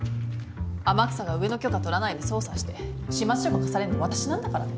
天草が上の許可取らないで捜査して始末書書かされんの私なんだからね。